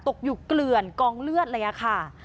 ตกอยู่เกลื่อนกองเลือดเลยค่ะ